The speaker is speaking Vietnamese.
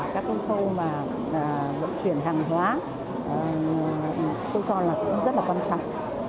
các kinh khâu lộn chuyển hàng hóa tôi cho là rất là quan trọng